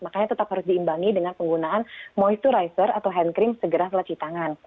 makanya tetap harus diimbangi dengan penggunaan moisturizer atau hand cream segera setelah citangan